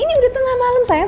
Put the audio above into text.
ini udah tengah malam saya